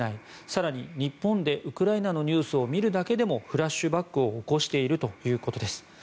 更に日本でウクライナのニュースを見るだけでもフラッシュバックを起こしているということです。